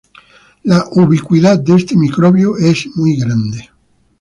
La ubicuidad de este microbio es muy grande.